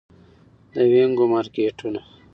د وینګو مارکیټونه